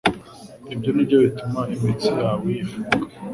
ibyo nibyo bituma imitsi yawe yifunga.